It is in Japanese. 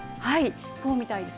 そうみたいです。